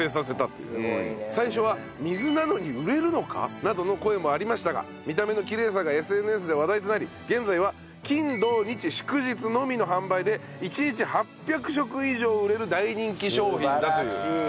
最初は「水なのに売れるのか？」などの声もありましたが見た目のきれいさがＳＮＳで話題となり現在は金・土・日・祝日のみの販売で１日８００食以上売れる大人気商品だという。